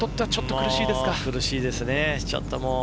苦しいですね。